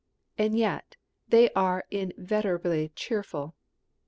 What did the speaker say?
And yet they are inveterately cheerful.